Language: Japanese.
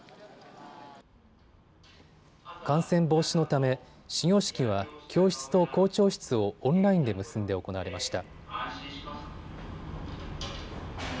感染防止のため、始業式は教室と校長室をオンラインで結んで行われました。